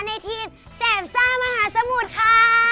ในทีมแสบซ่ามหาสมุทรค่ะ